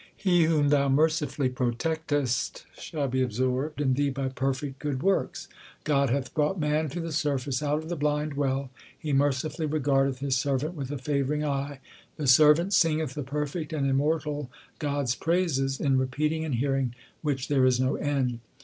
He whom Thou mercifully protectest shall be absorbed in Thee by perfect good works. God hath brought man to the surface out of the blind well. He mercifully regardeth His servant with a favouring eye. The servant singeth the perfect and immortal God s praises in repeating and hearing which there is no end.